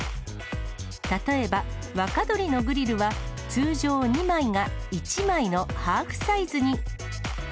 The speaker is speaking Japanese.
例えば、若鶏のグリルは、通常２枚が１枚のハーフサイズに。